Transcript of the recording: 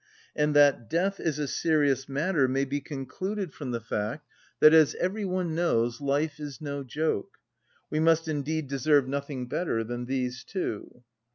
And that death is a serious matter may be concluded from the fact that, as every one knows, life is no joke. We must indeed deserve nothing better than these two.